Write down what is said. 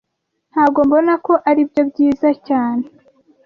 Ntago mbona ko aribyo byiza cyane